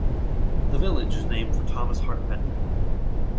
The village is named for Thomas Hart Benton.